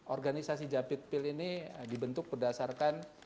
organisasi jampit mil ini dibentuk berdasarkan